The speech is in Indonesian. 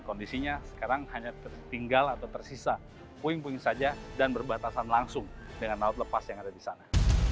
kondisinya sekarang hanya tertinggal atau tersisa puing puing saja dan berbatasan langsung dengan laut lepas yang ada di sana